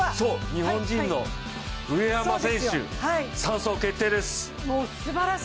日本人の上山選手、３走決定です。